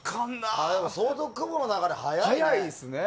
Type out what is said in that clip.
相当、雲の流れ速いね。